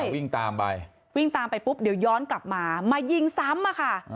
วิ่งตามไปวิ่งตามไปปุ๊บเดี๋ยวย้อนกลับมามายิงซ้ำอะค่ะ